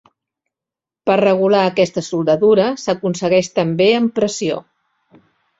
Per regular aquesta soldadura s'aconsegueix també amb pressió.